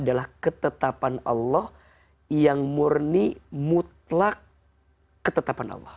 dan tidak disertakan ikhtilafan allah yang murni mutlak ketetapan allah